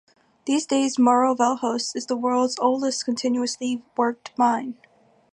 These days Morro Velhos is the world's oldest continuously worked mine.